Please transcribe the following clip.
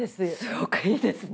すごくいいですね。